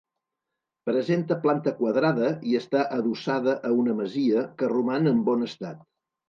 Presenta planta quadrada i està adossada a una masia, que roman en bon estat.